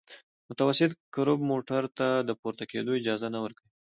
متوسط کرب موټرو ته د پورته کېدو اجازه نه ورکوي